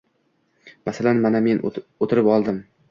Masalan, mana men, o‘tirib oldim.